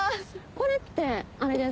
これってあれですか？